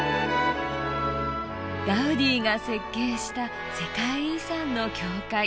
ガウディが設計した世界遺産の教会。